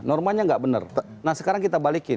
normanya gak bener nah sekarang kita balikin